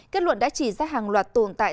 kết luận đã chỉ ra hàng loạt tồn tại